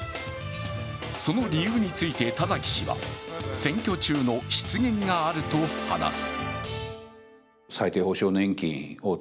その理由について田崎氏は選挙中の失言があると話す。